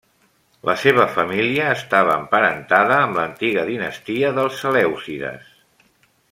La seva família estava emparentada amb l'antiga dinastia dels selèucides.